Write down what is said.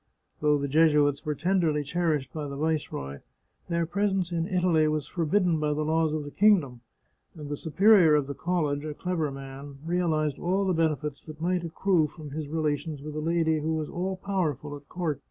Though the Jesuits were tenderly cherished by the Viceroy, their presence in Italy was forbidden by the laws of the kingdom, and the Superior of the college, a clever man, realized all the benefits that might accrue from his relations with a lady who was all powerful at court.